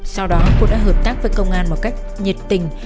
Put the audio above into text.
sau đó cô đã hợp tác với công an một cách nhiệt tình